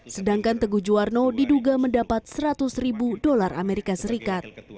sedangkan teguh juwarno diduga mendapat seratus ribu dolar amerika serikat